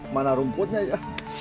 mana rumputnya ya